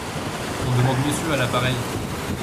On demande Monsieur à l’appareil.